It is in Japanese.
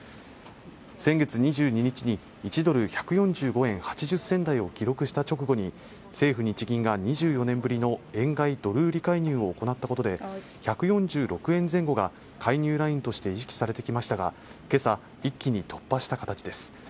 先月２２日に１ドル＝１４５円８０銭台を記録した直後に政府・日銀が２４年ぶりの円買いドル売り介入を行ったことで１４６円前後が介入ラインとして意識されてきましたが今朝一気に突破した形です